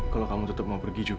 kalau kamu tetap mau pergi juga